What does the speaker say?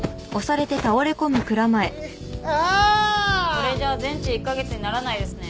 これじゃあ全治１カ月にならないですね。